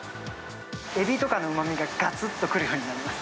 エビとかのうまみががつっとくるようになります。